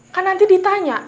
kan nanti ditanya